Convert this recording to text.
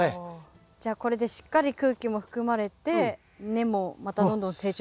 じゃあこれでしっかり空気も含まれて根もまたどんどん成長していく。